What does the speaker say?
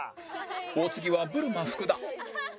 お次はブルマ福田